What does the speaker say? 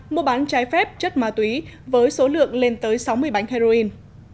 mua bán trái phép chất ma túy với số lượng lên tới sáu mươi bánh heroin